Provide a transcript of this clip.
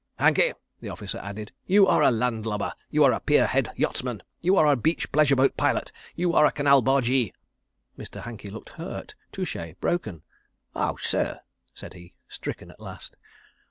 "Hankey," the officer added, "you are a land lubber. You are a pier head yachtsman. You are a beach pleasure boat pilot. You are a canal bargee." Mr. Hankey looked hurt, touché, broken. "Oh, sir!" said he, stricken at last.